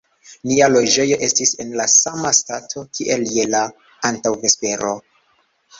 Nia loĝejo estis en la sama stato, kiel je la antaŭvespero.